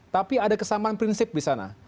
tapi ada kesamaan prinsip di sana